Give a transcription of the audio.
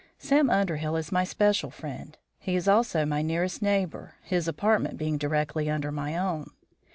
Sam Underhill is my special friend; he is also my nearest neighbour, his apartment being directly under my own.